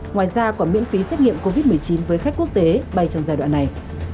ngoài ra còn miễn phí xét nghiệm covid một mươi chín với khách quốc tế bay trong giai đoạn này